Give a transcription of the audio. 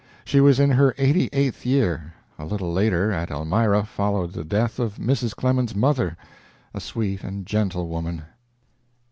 She was in her eighty eighth year. A little later, at Elmira, followed the death of Mrs. Clemens's mother, a sweet and gentle woman.